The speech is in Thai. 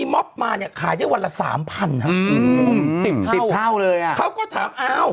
เห็นคุณถามว่ารู้ไหม